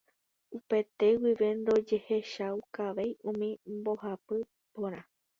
Upete guive ndojehechaukavéi umi mbohapy póra.